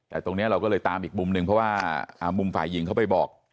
แต่ตรงนี้เราก็เลยตามอีกมุมหนึ่งเพราะว่ามุมฝ่ายหญิงเขาไปบอก